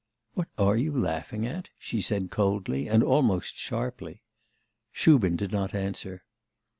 'What are you laughing at?' she said coldly, and almost sharply. Shubin did not answer.